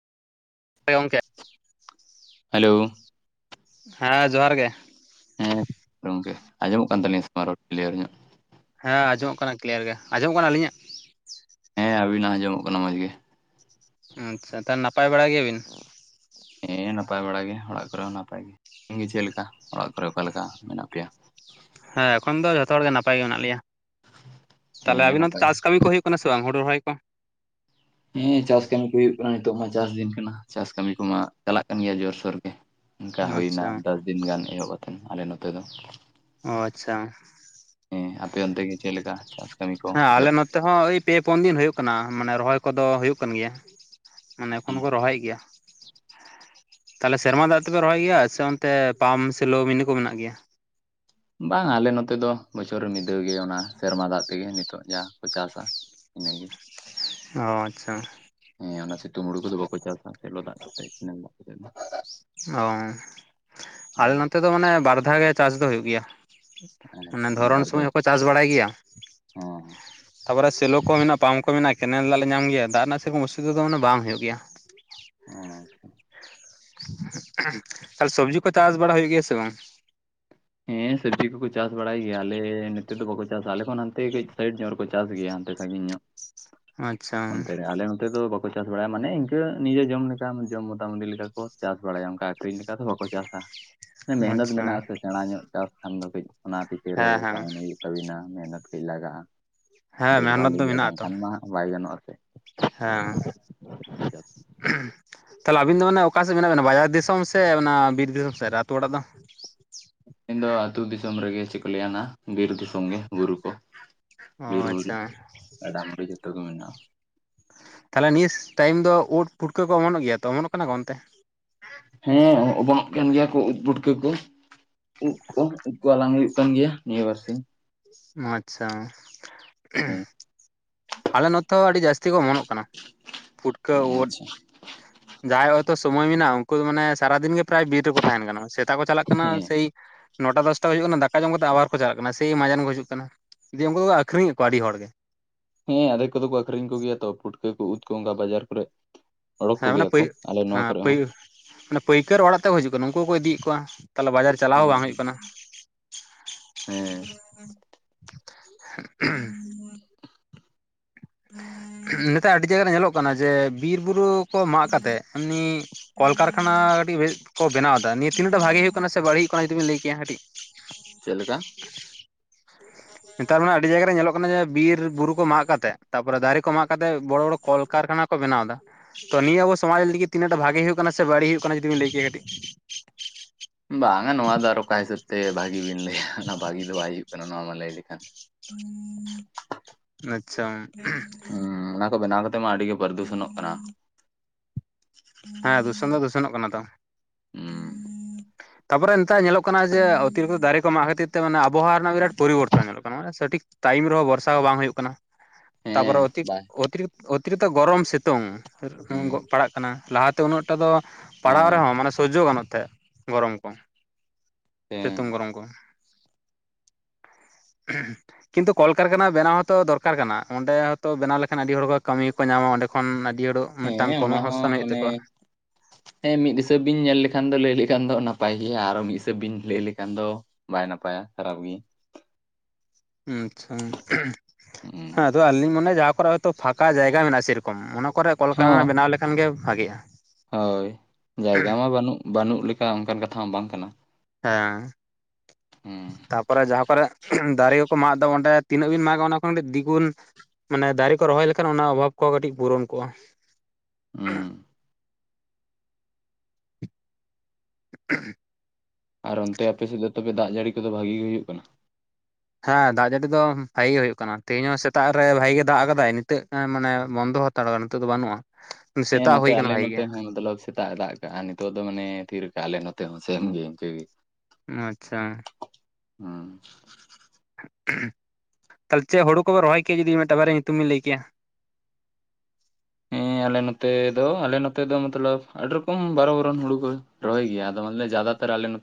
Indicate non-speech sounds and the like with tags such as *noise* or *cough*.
ᱦᱮ ᱜᱚᱝᱠᱮ ᱦᱮᱞᱳ ᱦᱮᱸ ᱡᱚᱦᱟᱨ ᱜᱮ᱾ ᱦᱮᱸ ᱜᱚᱝᱠᱮ ᱟᱸᱡᱚᱢᱚᱜ ᱠᱟᱱ ᱛᱟᱹᱞᱤᱧᱼᱟ ᱥᱮ ᱵᱟᱝ ᱨᱚᱲ ᱠᱞᱤᱭᱟᱨ ᱧᱚᱜ? ᱦᱮᱸ ᱟᱸᱡᱚᱢᱚᱜ ᱠᱟᱱᱟ ᱠᱞᱤᱭᱟᱨ ᱜᱮ ᱟᱸᱡᱚᱢᱚᱜ ᱠᱟᱱᱟ ᱟᱹᱞᱤᱧᱟᱜ? ᱦᱮᱸ ᱟᱵᱤᱱᱟᱜ ᱟᱸᱡᱚᱢᱚᱜ ᱠᱟᱱᱟ ᱢᱚᱡᱽ ᱜᱮ᱾ ᱟᱸᱪᱪᱷᱟ ᱛᱟᱦᱚᱞᱮ ᱱᱟᱯᱟᱭ ᱵᱟᱲᱟ ᱜᱮᱭᱟᱵᱤᱱ? ᱦᱮᱸ ᱱᱟᱯᱟᱭ ᱵᱟᱲᱟ ᱜᱮ ᱚᱲᱟᱜ ᱠᱚᱨᱮ ᱦᱚᱸ ᱱᱟᱯᱟᱭ ᱜᱮ ᱟᱵᱤᱱ ᱜᱮ ᱪᱮᱫ ᱞᱮᱠᱟ ᱚᱲᱟᱜ ᱠᱚᱨᱮ ᱚᱠᱟ ᱞᱮᱠᱟ ᱢᱮᱱᱟᱜ ᱯᱮᱭᱟ? ᱦᱮᱸ ᱮᱠᱷᱚᱱ ᱫᱚ ᱡᱷᱚᱛᱚ ᱦᱚᱲ ᱜᱮ ᱱᱟᱯᱟᱭ ᱜᱮ ᱢᱮᱱᱟᱜ ᱞᱮᱭᱟ ᱛᱟᱦᱞᱮ ᱦᱮᱸ ᱟᱵᱤᱱ ᱦᱚᱸ ᱱᱟᱯᱟᱭ ᱪᱟᱥ ᱠᱟᱹᱢᱤ ᱠᱚ ᱦᱩᱭᱩᱜ ᱠᱟᱱᱟ ᱥᱮ ᱵᱟᱝ ᱦᱩᱲᱩ ᱨᱚᱦᱚᱭ ᱠᱚ? ᱦᱮᱸ ᱪᱟᱥ ᱠᱟᱹᱢᱤ ᱠᱚ ᱦᱩᱭᱩᱜ ᱠᱟᱱᱟ ᱱᱤᱛᱚᱜ ᱢᱟ ᱪᱟᱥ ᱫᱤᱱ ᱠᱟᱱᱟ ᱪᱟᱥ ᱠᱟᱹᱢᱤ ᱠᱚᱢᱟ ᱪᱟᱞᱟᱜ ᱠᱟᱱ ᱜᱮᱭᱟ ᱡᱳᱨᱥᱳᱨ ᱜᱮ᱾ ᱚᱱᱠᱟ ᱦᱩᱭᱱᱟ ᱟᱪᱪᱷᱟ ᱫᱚᱥ ᱫᱤᱱ ᱜᱟᱱ ᱮᱦᱚᱵ ᱠᱟᱛᱮᱫ ᱟᱞᱮ ᱱᱚᱛᱮ ᱫᱚ᱾ ᱚ ᱟᱪᱪᱷᱟ ᱦᱮ ᱟᱯᱮ ᱚᱱᱛᱮ ᱜᱮ ᱪᱮᱫ ᱞᱮᱠᱟ ᱪᱟᱥ ᱠᱟᱹᱢᱤ ᱠᱚ ᱮᱦᱚᱵ? ᱛᱮ ᱦᱚᱸ ᱳᱭ ᱯᱮ ᱯᱩᱱ ᱫᱤᱱ ᱦᱩᱭᱩᱜ ᱠᱟᱱᱟ ᱢᱟᱱᱮ ᱨᱚᱦᱚᱭ ᱠᱚᱫᱚ ᱦᱩᱭᱩᱜ ᱠᱟᱱ ᱜᱮᱭᱟ ᱾ ᱢᱟᱱᱮ ᱮᱠᱷᱚᱱ ᱠᱚ ᱨᱚᱦᱚᱭ ᱮᱫ ᱜᱮᱭᱟ᱾ ᱛᱟᱞᱦᱮ ᱥᱮᱨᱢᱟ ᱫᱟᱜ ᱛᱮᱯᱮ ᱨᱚᱦᱚᱭ ᱜᱮᱭᱟ ᱥᱮ ᱚᱱᱛᱮ ᱯᱟᱢᱯ, ᱥᱮᱞᱳ, ᱢᱤᱱᱤ ᱠᱚ ᱢᱮᱱᱟᱜ ᱜᱮᱭᱟ? ᱵᱟᱝ ᱟᱞᱮ ᱱᱚᱛᱮ ᱫᱚ ᱵᱚᱪᱷᱚᱨ ᱢᱤᱫ ᱫᱷᱟᱹᱣ ᱜᱮ ᱚᱱᱟ ᱥᱮᱨᱢᱟ ᱫᱟᱜ ᱛᱮᱜᱮ ᱱᱤᱛᱚᱜ ᱡᱟ ᱠᱚ ᱪᱟᱥᱟ᱾ ᱤᱱᱟᱹ ᱜᱮ ᱚ ᱟᱪᱪᱷᱟ ᱦᱮᱸ ᱚᱱᱟ ᱥᱤᱛᱩᱝ ᱦᱩᱲᱩ ᱠᱚᱫᱚ ᱵᱟᱠᱚ ᱪᱟᱥᱟ ᱥᱮᱞᱚ ᱫᱟᱜ ᱠᱚᱛᱮ᱾ ᱚ ᱟᱞᱮ ᱱᱚᱛᱮ ᱫᱚ ᱢᱟᱱᱮ ᱵᱟᱨ ᱫᱷᱟᱣ ᱜᱮ ᱪᱟᱥ ᱫᱚ ᱦᱩᱭᱩᱜ ᱜᱮᱭᱟ᱾ ᱦᱮᱸ ᱢᱟᱱᱮ ᱟᱪᱪᱷᱟ ᱫᱷᱚᱨᱚᱱ ᱵᱟᱨ ᱥᱚᱢᱚᱭ ᱫᱷᱟᱣ ᱦᱚᱸ ᱠᱚ ᱪᱟᱥ ᱵᱟᱲᱟᱭ ᱜᱮᱭᱟ? ᱦᱚᱸ ᱛᱟᱯᱚᱨᱮ ᱥᱮᱞᱚ ᱠᱚ ᱢᱮᱱᱟᱜᱼᱟ ᱯᱟᱢᱯ ᱠᱚ ᱢᱮᱱᱟᱜᱼᱟ ᱠᱮᱱᱮᱞ ᱫᱟᱜ ᱞᱮ ᱧᱟᱢ ᱜᱮᱭᱟ ᱫᱟᱜ ᱨᱮᱱᱟᱜ ᱥᱮ ᱨᱚᱠᱚᱢ ᱚᱥᱩᱵᱤᱫᱷᱟ ᱫᱚ ᱢᱮ ᱵᱟᱝ ᱦᱩᱭᱩᱜ ᱜᱮᱭᱟ᱾ *inaudible* ᱛᱟᱦᱞᱮ ᱥᱚᱵᱽᱡᱤ ᱠᱚ ᱪᱟᱥ ᱵᱟᱲᱟ ᱦᱩᱭᱩᱜ ᱜᱮᱭᱟ ᱥᱮ ᱵᱟᱝ ᱦᱮᱸ ᱥᱚᱵᱽᱡᱤ ᱠᱚ ᱠᱚ ᱪᱟᱥ ᱵᱟᱲᱟᱭ ᱜᱮᱭᱟ ᱟᱞᱮ ᱱᱚᱛᱮ ᱫᱚ ᱵᱟᱠᱚ ᱪᱟᱥᱟ ᱟᱞᱮ ᱠᱷᱚᱱ ᱦᱟᱱᱛᱮ ᱠᱟᱹᱡ ᱥᱟᱭᱤᱰ ᱧᱚᱜ ᱨᱮᱠᱚ ᱪᱟᱥ ᱜᱮᱭᱟ ᱦᱟᱱᱛᱮᱼᱼ ᱥᱟ. ᱜᱤᱧ ᱧᱚᱜ ᱟᱪᱪᱷᱟ ᱚᱱᱛᱮ ᱨᱮ ᱟᱞᱮ ᱱᱚᱛᱮ ᱫᱚ ᱵᱟᱠᱚᱼᱼ ᱠᱚ ᱪᱟᱥ ᱵᱟᱲᱟᱭᱟ ᱢᱟᱱᱮ ᱤᱱᱠᱟᱹ ᱱᱤᱡᱮ ᱡᱚᱢ ᱞᱮᱠᱟ ᱡᱚᱢ ᱢᱳᱴᱟᱢᱩᱴᱤ ᱞᱮᱠᱟ ᱠᱚ ᱪᱟᱥ ᱵᱟᱲᱟᱭᱟ ᱚᱱᱠᱟ ᱟᱹᱷᱨᱤᱧ ᱞᱮᱠᱟ ᱫᱚ ᱵᱟᱠᱚ ᱪᱟᱥᱟ ᱢᱮᱦᱱᱚᱛ ᱟᱪᱪᱷᱟ ᱢᱮᱱᱟᱜ ᱟᱥᱮ ᱥᱮᱬᱟ ᱧᱚᱜ ᱪᱟᱥ ᱠᱷᱟᱱ ᱫᱚ ᱠᱟᱹᱡ ᱚᱱᱟ ᱯᱤᱪᱷᱟᱹ ᱨᱮ ᱦᱮᱸ ᱦᱮᱸ ᱛᱟᱦᱮᱱ ᱦᱩᱭᱩᱜᱼᱟ ᱛᱚᱵᱮᱱᱟ ᱢᱮᱦᱱᱚᱛ ᱠᱟᱡ ᱞᱟᱜᱼᱟ ᱦᱮᱸ ᱫᱮᱠᱷᱵᱷᱟᱞ ᱢᱮᱦᱱᱚᱛ ᱫᱚ ᱦᱩᱭᱩᱜᱼᱟ ᱢᱮᱱᱟᱜ ᱵᱟᱝ ᱟᱛᱚ ᱠᱷᱟᱱ ᱢᱟ ᱵᱟᱭ ᱜᱟᱱᱚᱜ ᱟ ᱥᱮᱼᱼ ᱦᱮᱸ *unintelligible* ᱛᱟᱦᱚᱞᱮ ᱟᱵᱤᱱ ᱫᱚ ᱢᱟᱱᱮ ᱚᱠᱟ ᱥᱮᱫ ᱵᱮ ᱢᱮᱱᱟᱜ ᱵᱤᱱᱟ ᱵᱟᱡᱟᱨ ᱫᱤᱥᱚᱢ ᱥᱮ ᱚᱱᱟ ᱵᱤᱨ ᱫᱤᱥᱚᱢ ᱥᱮᱫ ᱨᱮ ᱟ ᱟᱹᱛᱩ ᱚᱲᱟᱜ ᱫᱚ ᱤᱧ ᱫᱚ ᱟᱹᱛᱩ ᱫᱤᱥᱚᱢ ᱨᱮᱜᱮ ᱪᱤᱠᱚ ᱞᱟᱭᱟ ᱱᱟᱜ ᱵᱤᱨ ᱫᱤᱥᱚᱢ ᱜᱮ ᱵᱩᱨᱩ ᱠᱚᱼᱼ ᱚ ᱵᱤᱨ ᱵᱩᱨᱩ ᱟᱪᱪᱷᱟ ᱜᱟᱰᱟ ᱢᱩᱰᱩ ᱡᱚᱛᱚ ᱜᱮ ᱢᱮᱱᱟᱜᱼᱟ ᱛᱟᱦᱚᱞᱮ ᱱᱮᱥ ᱴᱟᱭᱤᱢ ᱫᱚ ᱩᱫ ᱯᱷᱩᱴᱠᱟᱹ ᱠᱚ ᱚᱢᱚᱱᱚᱜ ᱜᱮᱭᱟ ᱛᱚ ᱚᱢᱚᱱᱚᱜ ᱠᱟᱱᱟ ᱠᱚ ᱚᱱᱛᱮ? ᱦᱮᱸ ᱚᱵᱚᱱᱚᱜ ᱠᱟᱱ ᱜᱮᱭᱟ ᱠᱚ ᱩᱫ ᱯᱩᱴᱠᱟᱹ ᱠᱚᱼᱼ ᱩᱫ ᱠᱚ ᱩᱫ ᱠᱚ ᱦᱟᱞᱟᱝ ᱦᱩᱭᱩᱜ ᱠᱟᱱ ᱜᱮᱭᱟ ᱱᱤᱭᱟᱹ ᱵᱟᱨ ᱥᱤᱧᱼᱼ ᱟᱪᱪᱷᱟ *unintelligible* ᱟᱞᱮ ᱱᱚᱛᱮ ᱦᱚᱸ ᱟᱹᱰᱤ ᱡᱟᱹᱥᱛᱤ ᱠᱚ ᱚᱢᱚᱱᱚᱜ ᱠᱟᱱᱟ ᱯᱩᱴᱠᱟᱹ ᱦᱮᱸ ᱩᱫᱼᱼ ᱟᱪᱪᱷᱟ ᱡᱟᱦᱟᱸᱭ ᱦᱚᱭᱛᱚ ᱥᱚᱢᱚᱭ ᱢᱮᱱᱟᱜᱼᱟ ᱩᱱᱠᱩ ᱫᱚ ᱢᱟᱱᱮ ᱥᱟᱨᱟ ᱫᱤᱱ ᱜᱮ ᱯᱨᱟᱭ ᱵᱤᱨ ᱨᱮᱠᱚ ᱛᱟᱦᱮᱱ ᱠᱟᱱᱟ ᱥᱮᱛᱟ ᱠᱚ ᱪᱟᱞᱟᱜ ᱠᱟᱱᱟ ᱦᱮᱸ ᱥᱮᱭ ᱱᱚᱴᱟ ᱫᱚᱥᱴᱟ ᱦᱩᱭᱩᱜ ᱠᱟᱱᱟ ᱫᱟᱠᱟ ᱡᱚᱢ ᱠᱟᱛᱮ ᱟᱵᱟᱨ ᱠᱚ ᱪᱟᱞᱟᱜ ᱠᱟᱱᱟ ᱥᱮᱭ ᱢᱟᱡᱟᱱ ᱠᱚ ᱦᱤᱡᱼᱼ ᱠᱟᱱᱟ ᱫᱤᱭ ᱩᱱᱠᱩ ᱫᱚᱠᱚ ᱟᱠᱷᱨᱤᱧ ᱮᱫ ᱠᱚᱣᱟ ᱟᱹᱰᱤ ᱦᱚᱲ ᱜᱮ ᱦᱮᱸ ᱟᱫᱮᱠ ᱠᱚᱫᱚ ᱠᱚ ᱟᱠᱷᱨᱤᱧ ᱠᱚ ᱜᱮᱭᱟ ᱛᱚ ᱯᱩᱴᱠᱟᱹ ᱠᱚ ᱩᱫ ᱠᱚ ᱚᱝᱠᱟ ᱵᱟᱡᱟᱨ ᱠᱚᱨᱮᱜ ᱦᱮᱸ ᱟᱱᱮ ᱯᱟᱹᱭ ᱦᱮᱸ ᱯᱟ. ᱭ ᱦᱚᱸ ᱢᱟᱱᱮ ᱯᱟᱹᱭᱠᱟᱹᱨ ᱚᱲᱟᱜ ᱛᱮᱠᱚ ᱦᱤᱡᱩᱜ ᱠᱟᱱᱟ ᱩᱝᱠᱩ ᱠᱚᱠᱚ ᱤᱫᱤᱭ ᱮᱫ ᱠᱚᱣᱟ ᱛᱟᱦᱚᱞᱮ ᱵᱟᱡᱟᱨᱼᱼ ᱪᱟᱞᱟᱣ ᱵᱟᱝ ᱦᱩᱭᱩᱜ ᱠᱟᱱᱟ ᱦᱮᱸ ᱱᱮᱛᱟᱨ ᱟᱹᱰᱤ ᱡᱟᱭᱜᱟ ᱨᱮ ᱧᱮᱞᱚᱜ ᱠᱟᱱᱟ ᱡᱮ ᱵᱤᱨ ᱵᱩᱨᱩ ᱠᱚ ᱢᱟᱜ ᱠᱟᱛᱮᱫ ᱮᱢᱱᱤᱼᱼ ᱠᱚᱞᱠᱟᱨᱠᱷᱟᱱᱟ ᱠᱟᱹᱴᱤᱡ ᱵᱮᱥᱴ ᱠᱚ ᱵᱮᱱᱟᱣ ᱫᱟ ᱱᱤᱭᱟᱹ ᱛᱤᱱᱟᱹᱜ ᱴᱟᱜ ᱵᱷᱟᱜᱮ ᱦᱩᱭᱩᱜ ᱠᱟᱱᱟ ᱥᱮ ᱵᱟᱹᱲᱤᱡ ᱦᱩᱭᱩᱜ ᱠᱟᱱᱟ ᱡᱚᱫᱤᱵᱤᱱ ᱞᱟᱹᱭ ᱠᱮᱭᱟ ᱠᱟᱹᱴᱤᱡᱼᱼ ᱪᱮᱫ ᱞᱮᱠᱟᱼᱼ ᱱᱮᱛᱟᱨ ᱢᱟ ᱟᱹᱰᱤ ᱡᱟᱭᱜᱟ ᱨᱮ ᱧᱮᱞᱚᱜ ᱠᱟᱱᱟ ᱡᱮ ᱵᱤᱨ ᱵᱩᱨᱩ ᱠᱚ ᱢᱟᱜ ᱠᱟᱛᱮᱜ ᱛᱟᱯᱚᱨᱮ ᱫᱟᱨᱮ ᱠᱚ ᱢᱟᱜ ᱠᱟᱛᱮ ᱵᱚᱲᱚ ᱵᱚᱲᱚᱼᱼ ᱠᱚᱞᱠᱟᱨᱠᱷᱟᱱᱟ ᱠᱚ ᱵᱮᱱᱟᱣ ᱮᱫᱟ ᱛᱚ ᱱᱤᱭᱟᱹ ᱟᱵᱚ ᱥᱚᱢᱟᱡᱽ ᱞᱟᱹᱜᱤᱫ ᱛᱤᱱᱟᱹᱜ ᱴᱟᱜ ᱵᱷᱟᱜᱤ ᱦᱩᱭᱩᱜ ᱠᱟᱱᱟ ᱥᱮ ᱵᱟᱹᱲᱤᱡ ᱦᱩᱭᱩᱜ ᱠᱟᱱᱟ ᱡᱩᱫᱤ ᱵᱤᱱ ᱞᱟᱹᱭ ᱠᱮᱭᱟ ᱠᱟᱹᱴᱤᱡ ᱵᱟᱝᱟ ᱱᱚᱣᱟ ᱫᱚ ᱟᱨ ᱚᱠᱟ ᱦᱤᱥᱟᱹᱵ ᱛᱮ ᱵᱷᱟᱹᱜᱤ ᱵᱤᱱ ᱞᱟᱹᱭᱟ ᱚᱱᱟ ᱵᱷᱟᱹᱜᱤ ᱫᱚ ᱵᱟᱭ ᱦᱩᱭᱩᱜ ᱠᱟᱱᱟ ᱱᱚᱣᱟ ᱢᱟ ᱞᱟᱹᱭ ᱞᱮᱠᱷᱟᱱ *inaudible* ᱦᱩᱸ ᱚᱱᱟ ᱠᱚ ᱵᱮᱱᱟᱣ ᱠᱟᱛᱮ ᱢᱟ ᱟᱹᱰᱤ ᱜᱮ ᱵᱟᱨᱫᱩᱥᱚᱱᱚᱜ ᱠᱟᱱᱟ ᱦᱮᱸ ᱫᱩᱥᱚᱱ ᱫᱚ ᱫᱩᱥᱚᱱᱚᱜ ᱠᱟᱱᱟ ᱛᱚ ᱦᱮᱸ ᱛᱟᱯᱚᱨ ᱱᱮᱛᱟᱨ ᱧᱮᱞᱚᱜ ᱠᱟᱱᱟ ᱡᱮ ᱚᱛᱤᱨᱤᱠᱛᱚ ᱫᱟᱨᱮ ᱠᱚ ᱢᱟᱜ ᱠᱷᱟᱹᱛᱤᱨ ᱛᱮ ᱟᱵᱚᱦᱟᱣᱟ ᱨᱮᱱᱟᱜ ᱵᱤᱨᱟᱴ ᱯᱚᱨᱤᱵᱚᱨᱛᱚᱱ ᱧᱮᱞᱚᱜ ᱠᱟᱱᱟ ᱢᱟᱱᱮ ᱥᱚᱴᱷᱤᱠ ᱴᱟᱭᱤᱢ ᱨᱮᱦᱚᱸ ᱵᱚᱨᱥᱟ ᱦᱚᱸ ᱵᱟᱝ ᱦᱩᱭᱩᱜ ᱠᱟᱱᱟ, ᱦᱮᱸ ᱛᱟᱯᱚᱨᱮᱚᱛᱤᱠ ᱵᱟᱭ ᱚᱛᱤᱨᱤᱠ ᱚᱛᱤᱨᱤᱠᱛᱚ ᱜᱚᱨᱚᱢ ᱥᱤᱛᱩᱝ ᱦᱩᱸ ᱯᱟᱲᱟᱜ ᱠᱟᱱᱟ ᱞᱟᱦᱟᱛᱮ ᱩᱱᱟᱹᱜᱴᱟ ᱫᱚ ᱯᱟᱲᱦᱟᱣ ᱦᱮᱸ ᱨᱮᱦᱚᱸ ᱢᱟᱱᱮ ᱥᱚᱡᱚ ᱜᱟᱱᱚᱜ ᱛᱮ ᱜᱚᱨᱚᱢ ᱠᱚ ᱦᱮᱸ ᱥᱤᱛᱩᱝ ᱜᱚᱨᱚᱢ ᱠᱚ᱾ *unintelligible* ᱠᱤᱱᱛᱩ ᱠᱚᱞᱠᱟᱨᱠᱷᱟᱱᱟ ᱵᱮᱱᱟᱣ ᱦᱚᱸᱛᱚ ᱫᱚᱨᱠᱟᱨ ᱠᱟᱱᱟ ᱚᱸᱰᱮ ᱦᱚᱸᱛᱚ ᱵᱮᱱᱟᱣ ᱞᱮᱠᱷᱟᱱ ᱟᱹᱰᱤ ᱦᱚᱲ ᱠᱚ ᱠᱟᱹᱢᱤ ᱠᱚ ᱧᱟᱢᱟ ᱚᱸᱰᱮ ᱠᱷᱚᱱ ᱟᱹᱰᱤ ᱦᱚᱲ ᱢᱤᱫᱴᱟᱝ ᱦᱮᱸ ᱚᱱᱟ ᱦᱚᱸ ᱠᱚᱢᱚᱦᱚᱥᱛᱷᱟᱱ ᱦᱩᱭᱩᱜ ᱢᱟᱱᱮ ᱛᱟᱠᱚᱣᱟ᱾ ᱦᱮᱸ ᱢᱤᱫ ᱦᱤᱥᱟᱹᱵ ᱵᱤᱧ ᱧᱮᱞ ᱞᱮᱠᱷᱟᱱ ᱫᱚ ᱞᱟᱹᱭ ᱞᱮᱠᱷᱟᱱ ᱫᱚ ᱱᱟᱯᱟᱭ ᱜᱮᱭᱟ, ᱟᱨᱚ ᱢᱤᱫ ᱦᱤᱥᱟᱹᱵ ᱵᱤᱱ ᱞᱟᱹᱭ ᱞᱮᱠᱷᱟᱱ ᱫᱚ ᱵᱟᱭ ᱱᱟᱯᱟᱭᱟ ᱠᱷᱟᱨᱟᱯ ᱜᱤ᱾ ᱟᱪᱪᱷᱟ ᱦᱮᱸ ᱦᱩᱸ ᱟᱫᱚ ᱟᱹᱞᱤᱧ ᱞᱤᱧ ᱢᱚᱱᱮᱭᱟ ᱡᱟᱦᱟᱸ ᱠᱚᱨᱮ ᱦᱭᱛᱚ ᱯᱷᱟᱸᱠᱟ ᱡᱟᱭᱜᱟ ᱢᱮᱱᱟᱜᱼᱟ ᱥᱮᱨᱚ ᱠᱚᱢ ᱚᱱᱟ ᱠᱚᱨᱮ ᱦᱚᱸ ᱠᱚᱞᱠᱟᱨᱠᱷᱟᱱᱟ ᱵᱮᱱᱟᱣ ᱞᱮᱠᱷᱟᱱ ᱜᱮ ᱵᱷᱟᱜᱮᱜᱼᱟ᱾ ᱦᱳᱭ ᱡᱟᱭᱜᱟ ᱢᱟ ᱵᱟᱹᱱᱩᱜ ᱵᱟᱹᱱᱩᱜ ᱞᱮᱠᱟ ᱚᱱᱠᱟᱱ ᱠᱟᱛᱷᱟ ᱢᱟ ᱵᱟᱝ ᱠᱟᱱᱟ᱾ ᱦᱮᱸ ᱦᱩᱸ ᱛᱟᱯᱚᱨᱮ ᱡᱟᱦᱟᱸ ᱠᱚᱨᱮ ᱫᱟᱨᱮ ᱠᱚ ᱢᱟᱜ ᱫᱟ ᱚᱸᱰᱮ ᱛᱤᱱᱟᱹᱜ ᱵᱤᱱ ᱢᱟᱜᱟ ᱚᱱᱟ ᱠᱷᱚᱱ ᱫᱤᱜᱩᱱ ᱢᱟᱱᱮ ᱫᱟᱨᱮ ᱠᱚ ᱨᱚᱦᱚᱭ ᱞᱮᱠᱷᱟᱱ ᱚᱱᱟ ᱚᱵᱷᱟᱵᱽ ᱠᱚᱦᱚᱸ ᱠᱟᱹᱴᱤᱡ ᱯᱩᱨᱚᱱ ᱠᱚᱜᱼᱟ᱾ ᱦᱩᱸ *inaudible* ᱟᱨ ᱚᱱᱛᱮ ᱟᱯᱮᱥᱮᱫ ᱫᱚ ᱛᱚᱵᱮ ᱫᱟᱜ ᱡᱟᱹᱲᱤ ᱠᱚᱫᱚ ᱵᱷᱟᱜᱤ ᱜᱮ ᱦᱩᱭᱩᱜ ᱠᱟᱱᱟ? ᱦᱮᱸ ᱫᱟᱜ ᱡᱟᱹᱲᱤ ᱫᱚ ᱵᱷᱟᱜᱤ ᱜᱮ ᱦᱩᱭᱩᱜ ᱠᱟᱱᱟ ᱛᱮᱦᱮᱧ ᱦᱚᱸ ᱥᱮᱛᱟᱜ ᱨᱮ ᱵᱷᱟᱜᱤ ᱜᱮ ᱫᱟᱜ ᱠᱟᱫᱟᱭ ᱱᱤᱛᱟᱹᱜ ᱢᱟᱱᱮ ᱵᱚᱱᱫᱚ ᱦᱟ ᱛᱟᱲ ᱱᱤᱛᱚᱜ ᱫᱚ ᱵᱟᱹᱱᱩᱜᱼᱟ ᱾ ᱦᱮᱸ ᱱᱚᱛᱮ ᱟᱞᱮ ᱱᱚᱛᱮ ᱦᱚᱸ ᱢᱚᱛᱞᱚᱵᱽ ᱥᱮ ᱛᱟᱜ ᱫᱟᱜ ᱠᱟᱜᱼᱟ, ᱱᱤᱛᱚᱜ ᱫᱚ ᱢᱟᱱᱮ ᱛᱷᱤᱨ ᱠᱟᱜᱼᱟ ᱟᱞᱮ ᱱᱚᱛᱮ ᱦᱚᱸ ᱥᱮᱢ ᱜᱮ ᱤᱱᱠᱟᱹᱜ ᱜᱤ ᱾ ᱟᱪᱪᱷᱟ᱾ ᱦᱩᱸ᱾ ᱛᱟᱦᱚᱞᱮ ᱪᱮᱫ ᱦᱩᱲᱩ ᱠᱚᱯᱮ ᱨᱚᱦᱚᱭ ᱠᱮᱜᱼᱟ ᱡᱩᱫᱤ ᱢᱤᱫᱴᱟᱝ ᱵᱟᱨᱭᱟ ᱧᱩᱛᱩᱢ ᱵᱤᱧ ᱞᱟᱹᱭ ᱠᱮᱭᱟ᱾ ᱦᱮᱸ ᱟᱞᱮ ᱱᱚᱛᱮ ᱫᱚ ᱟᱞᱮ ᱱᱚᱛᱮ ᱫᱚ ᱢᱚᱛᱞᱚᱵᱽ ᱟᱹᱰᱤ ᱨᱚᱠᱚᱢ ᱵᱟᱨᱚ ᱵᱚᱨᱚᱱ ᱦᱩᱲᱩ ᱠᱚ ᱨᱚᱦᱚᱭ ᱜᱮᱭᱟ ᱟᱫᱚ ᱢᱟᱱᱮ ᱡᱟᱫᱟᱛᱚᱨ ᱟᱞᱮ ᱱᱚ